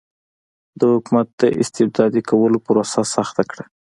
د حکومت د استبدادي کولو پروسه سخته کړه.